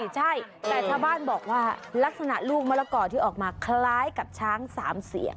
ใช่แต่ชาวบ้านบอกว่าลักษณะลูกมะละกอที่ออกมาคล้ายกับช้าง๓เสียน